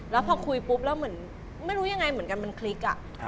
แล้วพอคุยปุ๊บแล้วเหมือนไม่รู้ยังไงเหมือนกันมันคลิก